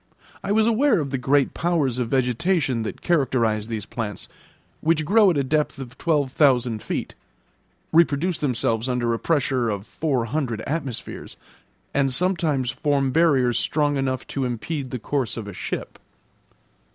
I was aware of the great powers of vegetation that characterise these plants, which grow at a depth of twelve thousand feet, reproduce themselves under a pressure of four hundred atmospheres, and sometimes form barriers strong enough to impede the course of a ship.